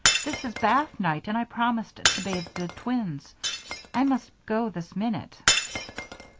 "This is bath night and I promised to bathe the twins. I must go this minute."